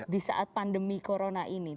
di saat pandemi corona ini